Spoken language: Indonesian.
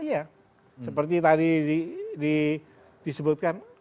iya seperti tadi disebutkan